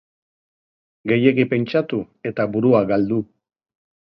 Gehiegi pentsatu eta burua galdu